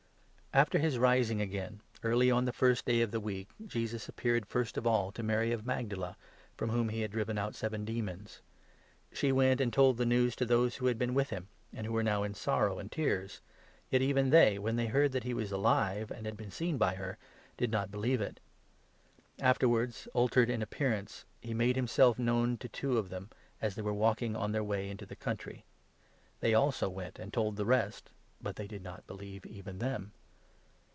[After his rising again, early on the first day of the week, 9 Jesus appeared first of all to Mary of Magdala, from whom he had driven out seven demons. She went and told the news to 10 those who had been with him and who were now in sorrow and tears ; yet even they, when they heard that he was alive and 1 1 had been seen by her, did not believe it. Afterwards, 12 altered in appearance, he made himself known to two of , them, as they were walking, on their way into the country. They also went and told the rest, but they did not believe 13 even them.